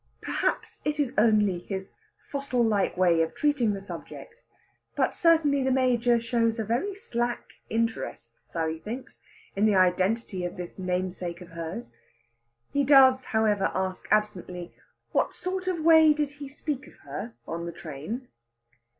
Perhaps it is only his fossil like way of treating the subject, but certainly the Major shows a very slack interest, Sally thinks, in the identity of this namesake of hers. He does, however, ask absently, what sort of way did he speak of her in the train?